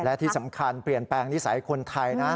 และที่สำคัญเปลี่ยนแปลงนิสัยคนไทยนะ